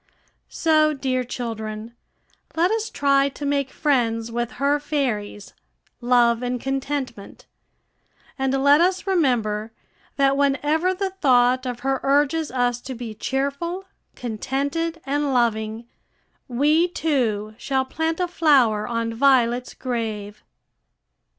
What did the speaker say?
So, dear children, let us try to make friends with her fairies, Love and Contentment, and let us remember that whenever the thought of her urges us to be cheerful, contented, and loving, we, too, shall plant a flower on Violet's grave.